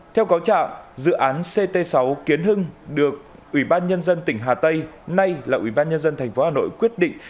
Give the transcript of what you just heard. theo cáo trạng dự án ct sáu kiến hưng được ủy ban nhân dân tp hcm nay là ủy ban nhân dân tp hcm quyết định